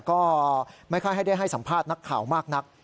ก็ไม่ค่อยให้ได้ให้สัมภาษณ์นักข่าวมากนัก